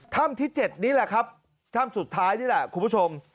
ที่๗นี่แหละครับถ้ำสุดท้ายนี่แหละคุณผู้ชม